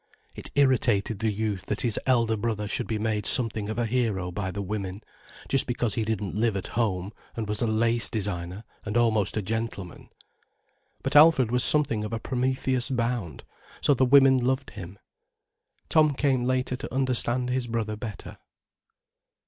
It irritated the youth that his elder brother should be made something of a hero by the women, just because he didn't live at home and was a lace designer and almost a gentleman. But Alfred was something of a Prometheus Bound, so the women loved him. Tom came later to understand his brother better.